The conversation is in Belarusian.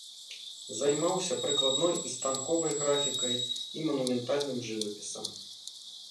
Займаўся прыкладной і станковай графікай, і манументальным жывапісам.